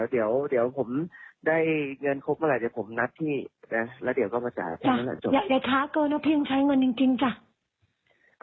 ก็เดี๋ยวเดี๋ยวผมได้เงินครบมาหลายเดี๋ยวผมนัดที่แล้วเดี๋ยวก็มาจ่าย